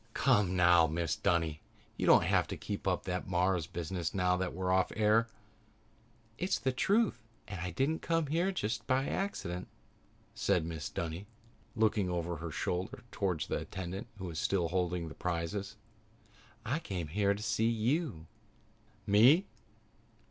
"Come, now, Mrs. Dunny. You don't have to keep up that Mars business now that we're off the air." "It's the truth and I didn't come here just by accident," said Mrs. Dunny, looking over her shoulder toward the attendant who was still holding the prizes. "I came here to see you." "Me?"